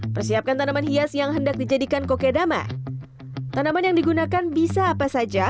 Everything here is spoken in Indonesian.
persiapkan tanaman hias yang hendak dijadikan kokedama tanaman yang digunakan bisa apa saja